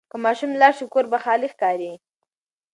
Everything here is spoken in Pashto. که ماشوم لاړ شي، کور به خالي ښکاري.